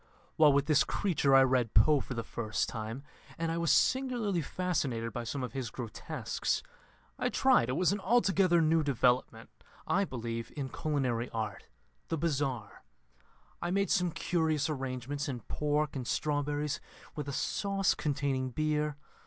While with this creature I read Poe for the first time, and I was singularly fascinated by some of his grotesques. I tried it was an altogether new development, I believe, in culinary art the Bizarre. I made some curious arrangements in pork and strawberries, with a sauce containing beer.